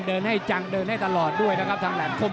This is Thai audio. เดินให้จังเดินให้ตลอดด้วยนะครับทางแหลมคม